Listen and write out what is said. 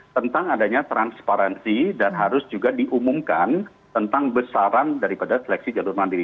tentang adanya transparansi dan harus juga diumumkan tentang besaran daripada seleksi jalur mandiri